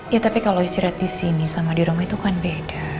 ya tapi kalo istirahat disini sama di rumah itu kan beda